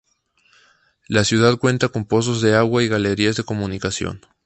La ciudad cuenta con pozos de agua y galerías de comunicación.